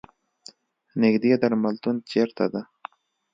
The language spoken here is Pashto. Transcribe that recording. نیږدې درملتون چېرته ده؟